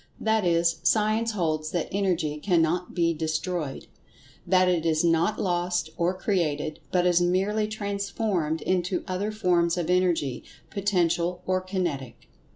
That is, Science holds that Energy can not be destroyed—that it is not lost, or created, but is merely transformed into other forms of Energy, Potential or Kinetic.